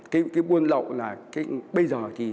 cái buôn lậu là bây giờ thì